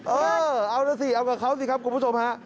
เออเอาล่ะสิเอากับเขาสิครับคุณผู้ชมฮะ